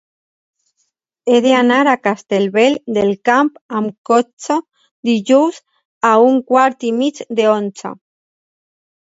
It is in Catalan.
He d'anar a Castellvell del Camp amb cotxe dijous a un quart i mig d'onze.